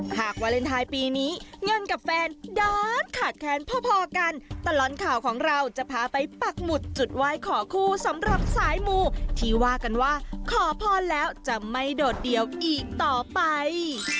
หากวาเลนไทยปีนี้เงินกับแฟนด้านขาดแค้นพอกันตลอดข่าวของเราจะพาไปปักหมุดจุดไหว้ขอคู่สำหรับสายมูที่ว่ากันว่าขอพรแล้วจะไม่โดดเดี่ยวอีกต่อไป